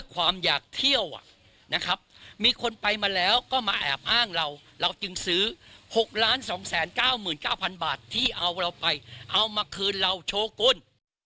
ความอยากเที่ยวนะครับมีคนไปมาแล้วก็มาแอบอ้างเราเราจึงซื้อ๖๒๙๙๐๐บาทที่เอาเราไปเอามาคืนเราโชว์กล